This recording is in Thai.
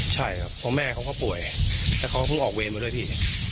ใช่ครับเพราะแม่เขาก็ป่วยแล้วเขาก็เพิ่งออกเวรมาด้วยพี่